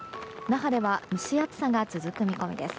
那覇では蒸し暑さが続く見込みです。